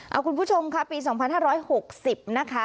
เอาคุณผู้ชมค่ะปีสองพันห้าร้อยหกสิบนะคะ